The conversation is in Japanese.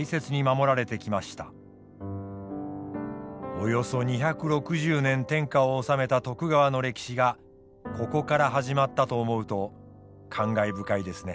およそ２６０年天下を治めた徳川の歴史がここから始まったと思うと感慨深いですね。